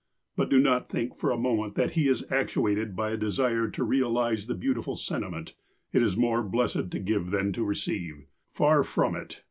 But do not think for a moment that he is actuated by a desire to realize the beautiful sentiment :" It is more blessed to give than to receive." Far from it.